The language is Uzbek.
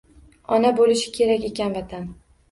Ona bo‘lishi kerak ekan Vatan.